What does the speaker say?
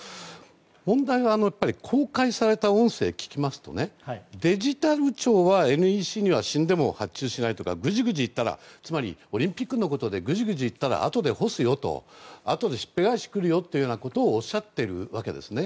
問題は公開された音声を聞きますとデジタル庁は、ＮＥＣには死んでも発注しないとかオリンピックのことでぐじぐじ言ったらあとで干すよとあとで、しっぺ返しがくるよとおっしゃっているわけです。